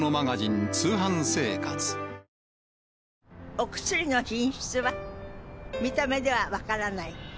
お薬の品質は見た目では分からない。